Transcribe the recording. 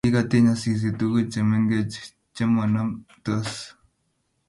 Kikatiny Asisi tuguj chemengech chemonomktos